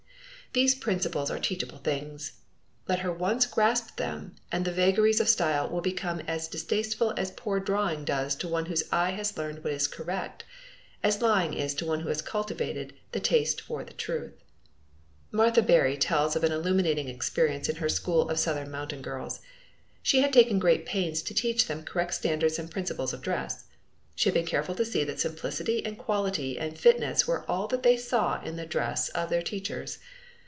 These principles are teachable things. Let her once grasp them and the vagaries of style will become as distasteful as poor drawing does to one whose eye has learned what is correct, as lying is to one who has cultivated the taste for the truth. Martha Berry tells of an illuminating experience in her school of Southern mountain girls. She had taken great pains to teach them correct standards and principles of dress. She had been careful to see that simplicity and quality and fitness were all that they saw in the dress of their teachers.